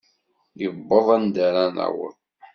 Iwweḍ anda ara naweḍ.